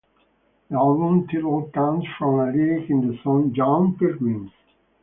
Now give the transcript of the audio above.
The album title comes from a lyric in the song "Young Pilgrims".